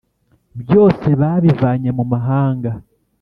byose babivanye mumahanga